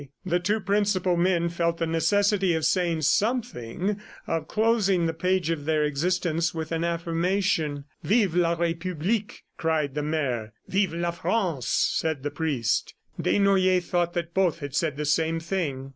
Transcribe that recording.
The two principal men felt the necessity of saying something, of closing the page of their existence with an affirmation. "Vive la Republique!" cried the mayor. "Vive la France!" said the priest. Desnoyers thought that both had said the same thing.